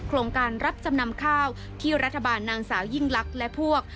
โครงการรับจำนำข้าวที่รัฐบาลนางสาวยิ่งลักษณ์และพวก